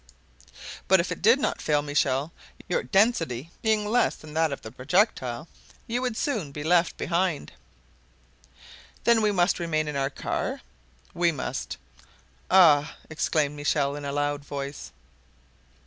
"But if it did not fail, Michel, your density being less than that of the projectile, you would soon be left behind." "Then we must remain in our car?" "We must!" "Ah!" exclaimed Michel, in a load voice.